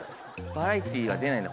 バラエティーは出ないんだ